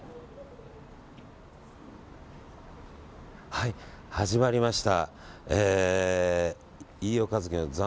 はい、始まりました。